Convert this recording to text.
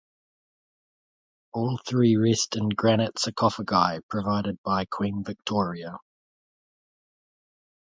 All three rest in granite sarcophagi provided by Queen Victoria.